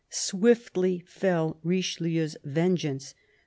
Swiftly fell Richelieu's vengeance.